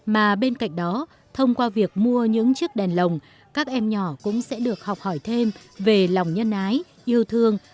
mà bên cạnh đó thông qua việc mua những chiếc đèn lồng các em nhỏ cũng sẽ được học hỏi thêm về lòng nhân ái yêu thương